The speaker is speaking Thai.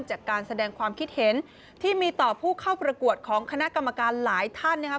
จากการแสดงความคิดเห็นที่มีต่อผู้เข้าประกวดของคณะกรรมการหลายท่านนะครับ